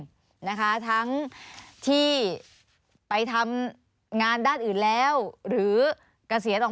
สนุนโดยน้ำดื่มสิง